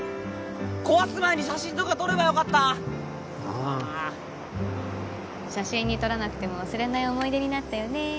壊す前に写真とか撮ればよかったああ写真に撮らなくても忘れない思い出になったよね